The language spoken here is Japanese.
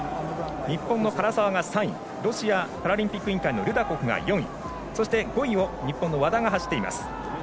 日本の唐澤が３位ロシアパラリンピック委員会のルダコフが４位そして、５位を日本の和田が走っています。